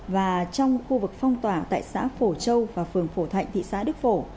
và trong khu vực phong tỏa tại xã phổ châu và phường phổ thạnh thị xã đức phổ